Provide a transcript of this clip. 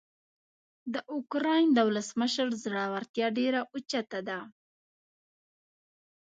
د اوکراین د ولسمشر زړورتیا ډیره اوچته ده.